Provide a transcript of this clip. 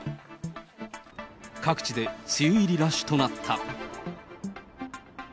各地で梅雨入りラッシュとなった。